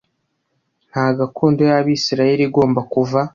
nta gakondo y abisirayeli igomba kuva